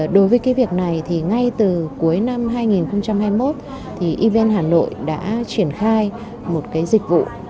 đối với cái việc này thì ngay từ cuối năm hai nghìn hai mươi một thì evn hà nội đã triển khai một cái dịch vụ